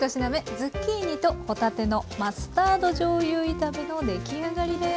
「ズッキーニと帆立てのマスタードじょうゆ炒め」の出来上がりです。